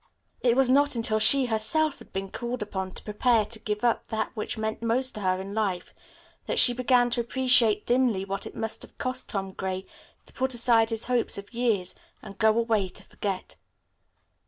It was not until she herself had been called upon to prepare to give up that which meant most to her in life that she began to appreciate dimly what it must have cost Tom Gray to put aside his hopes of years and go away to forget.